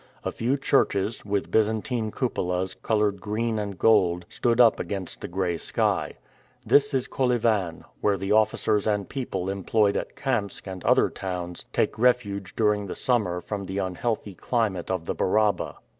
A few churches, with Byzantine cupolas colored green and gold, stood up against the gray sky. This is Kolyvan, where the officers and people employed at Kamsk and other towns take refuge during the summer from the unhealthy climate of the Baraba.